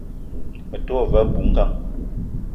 Me te wa ve abui-ngang